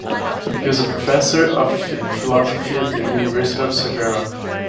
He was professor of philosophy at the University of Cervera.